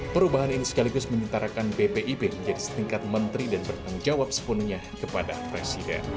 perubahan ini sekaligus menyentarakan bpip menjadi setingkat menteri dan bertanggung jawab sepenuhnya kepada presiden